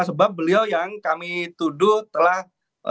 sebab beliau yang kami tuduh telah